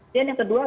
dan yang kedua